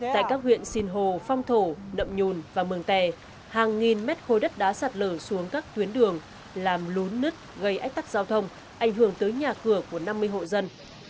tại các huyện sinh hồ phong thổ đậm nhùn và mường tè hàng nghìn mét khối đất đá sạt lở xuống các tuyến đường làm lún nứt gây ách tắc giao thông ảnh hưởng tới nhà cửa của năm mươi hộ dân